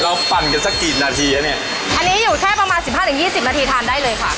ปั่นกันสักกี่นาทีแล้วเนี่ยอันนี้อยู่แค่ประมาณสิบห้าถึงยี่สิบนาทีทานได้เลยค่ะ